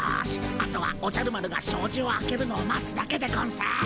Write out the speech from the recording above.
あとはおじゃる丸がしょうじを開けるのを待つだけでゴンス。